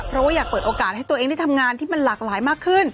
เพราะว่าอยากเปิดโอกาสให้ตัวเองได้ทำงานที่มันหลากหลายมากขึ้น